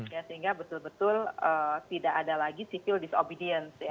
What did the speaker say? ya sehingga betul betul tidak ada lagi civil disobedience